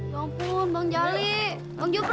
ya ampun bang jali bang jufri